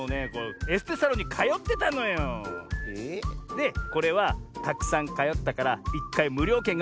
でこれはたくさんかよったから１かいむりょうけんがおくられてきたの。